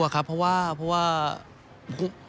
ครับผมทำไมครับ